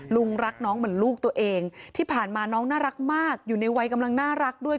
ลุงรักน้องเหมือนลูกตัวเองที่ผ่านมาน้องน่ารักมากอยู่ในวัยกำลังน่ารักด้วย